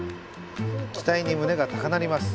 期待に胸が高鳴ります。